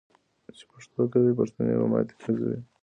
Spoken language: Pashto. چی پښتو کوی ، پښتي به ماتی ګرځوي .